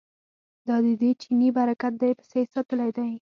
دا ددې چیني برکت دی پسه یې ساتلی دی.